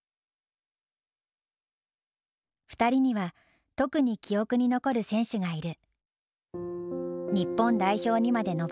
２人には特に記憶に残る選手がいる。